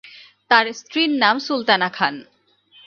তার স্ত্রীর নাম সুলতানা খান।